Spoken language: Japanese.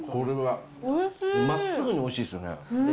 まっすぐにおいしいですよね。